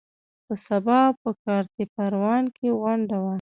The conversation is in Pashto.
په سبا په کارته پروان کې غونډه وه.